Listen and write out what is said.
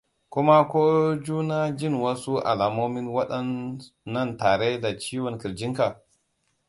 kuma ko kuna jin wasu alamomin waɗanan tare da ciwon kirjin ka